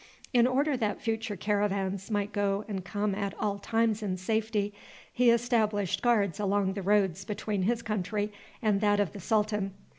In order that future caravans might go and come at all times in safety, he established guards along the roads between his country and that of the sultan.